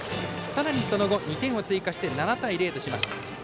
さらにその後２点を追加して７対０としました。